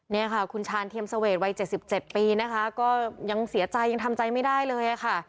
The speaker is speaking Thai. นี่ค่ะคุณชาญเทียมเสวดวัย๗๗ปีนะคะก็ยังเสียใจยังทำใจไม่ได้เลยค่ะ